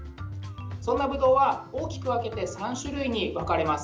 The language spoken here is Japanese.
そんなぶどうは大きく分けて３種類に分かれます。